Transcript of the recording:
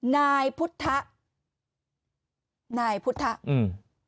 นายพุทธนายพุทธอืม